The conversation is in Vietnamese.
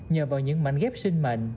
nhờ vào những mảnh ghép sinh mệnh